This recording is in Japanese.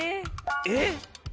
えっ？